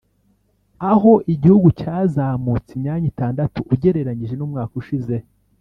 aho igihugu cyazamutse imyanya itandatu ugereranyije n’umwaka ushize